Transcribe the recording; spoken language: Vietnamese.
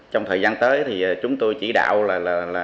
trong thời gian tới chúng tôi chỉ đạo là